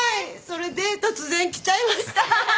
それで突然来ちゃいました。